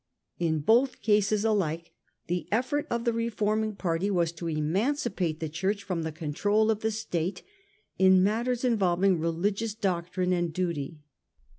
In both cases alike the effort of the reforming party was to emancipate the Church from the control of the State in matters involving religious doctrine and duty.